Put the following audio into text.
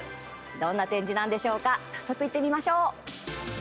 どんな展示なんでしょうか早速、行ってみましょう。